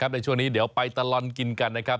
ในช่วงนี้เดี๋ยวไปตลอดกินกันนะครับ